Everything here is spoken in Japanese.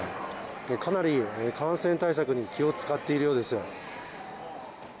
かなり感染対策に気を遣っているようです。